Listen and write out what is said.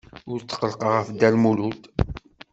Ur tqellqeɣ ɣef Dda Lmulud.